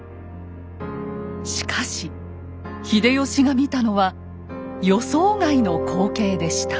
しかし秀吉が見たのは予想外の光景でした。